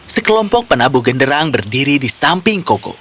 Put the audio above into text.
sekelompok penabuh genderang berdiri di samping koko